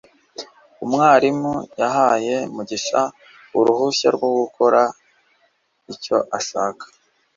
umwarimu yahaye mugisha uruhushya rwo gukora icyo ashaka